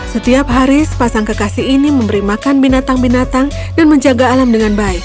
setiap hari sepasang kekasih ini memberi makan binatang binatang dan menjaga alam dengan baik